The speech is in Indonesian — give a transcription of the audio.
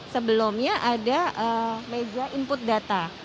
sebelumnya ada meja input data